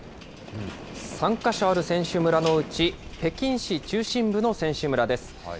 ３か所ある選手村のうち、北京市中心部の選手村です。